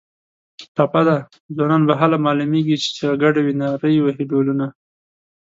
ټپه ده: ځوانان به هله معلومېږي چې چیغه ګډه وي نري وهي ډولونه